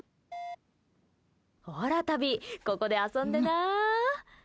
ほらタビ、ここで遊んでな。